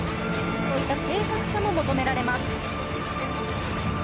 そういった正確さも求められます。